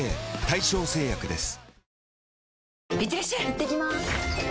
いってきます！